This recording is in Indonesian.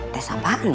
tes apaan ya